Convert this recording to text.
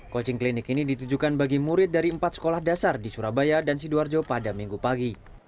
coaching klinik ini ditujukan bagi murid dari empat sekolah dasar di surabaya dan sidoarjo pada minggu pagi